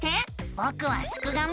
ぼくはすくがミ。